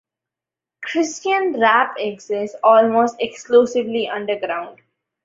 Christian rap exists almost exclusively underground.